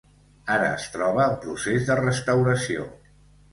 Ara es troba en procés de restauració.